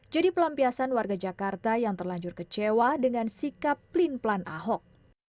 jadi pelampiasan warga jakarta yang terlanjur kecewa dengan sikap plin plan ahok